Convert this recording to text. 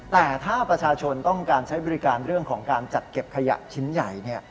แต่ถ้าประชาชนต้องการใช้บริการเรื่องของการจัดเก็บขยะชิ้นใหญ่